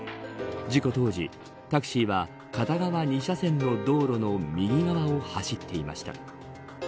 事故当時、タクシーは片側２車線の道路の右側を走っていました。